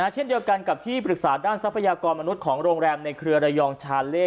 เช่นเดียวกันกับที่ปรึกษาด้านทรัพยากรมนุษย์ของโรงแรมในเครือระยองชาเล่